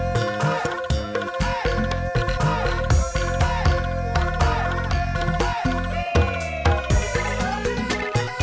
ke youtube mejawakannya memusak